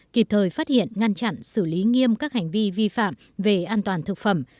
kịp thời phát hiện ngăn chặn xử lý nghiêm các hành vi vi phạm về an toàn thực phẩm